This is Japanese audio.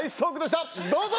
どうぞ！